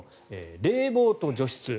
冷房と除湿。